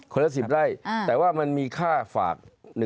ละ๑๐ไร่แต่ว่ามันมีค่าฝาก